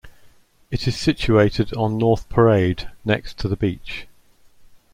It is situated on North Parade next to the beach.